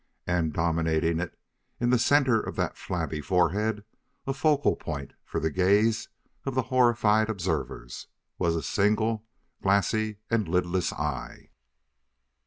And, dominating it, in the center of that flabby forehead, a focal point for the gaze of the horrified observers, was a single glassy and lidless eye.